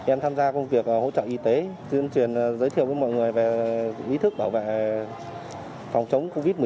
em tham gia công việc hỗ trợ y tế tuyên truyền giới thiệu với mọi người về ý thức bảo vệ phòng chống covid một mươi chín